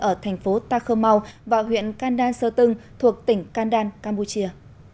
ở thành phố takomau và huyện kandan sơ tưng thuộc tỉnh kandan campuchia